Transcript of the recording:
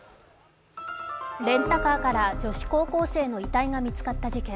レンタカーから女子高校生の遺体が見つかった事件。